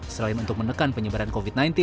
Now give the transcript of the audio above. selain untuk menekan penyebaran covid sembilan belas